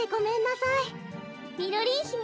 みろりんひめ。